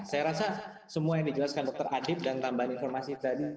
saya rasa semua yang dijelaskan dr adib dan tambahan informasi tadi